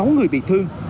sáu người bị thương